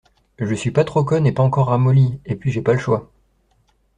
Je suis pas trop conne et pas encore ramollie. Et puis j’ai pas le choix.